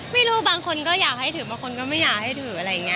ไม่รู้บางคนก็อยากให้ถือบางคนก็ไม่อยากให้ถืออะไรอย่างนี้